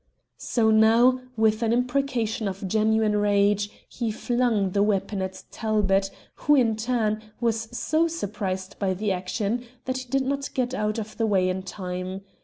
So now, with an imprecation of genuine rage, he flung the weapon at Talbot, who, in his turn, was so surprised by the action that he did not get out of the way in time.